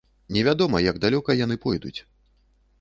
Невядома, як далёка яны пойдуць.